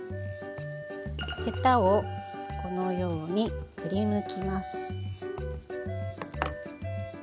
へたをこのようにくりぬきます。